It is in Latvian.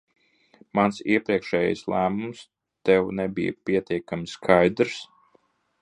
Mans iepriekšējais lēmums tev nebija pietiekami skaidrs?